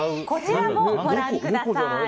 こちらをご覧ください。